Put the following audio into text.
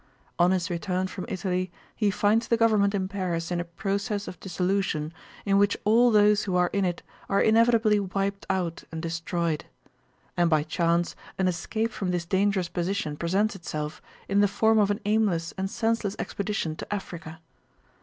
On his return from Italy he finds the government in Paris in a process of dissolution in which all those who are in it are inevitably wiped out and destroyed. And by chance an escape from this dangerous position presents itself in the form of an aimless and senseless expedition to Africa.